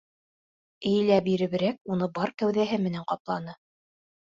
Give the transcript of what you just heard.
Эйелә биреберәк уны бар кәүҙәһе менән ҡапланы.